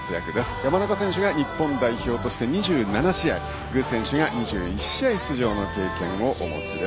山中選手が日本代表として２７試合具選手が２１試合出場の経験をお持ちです。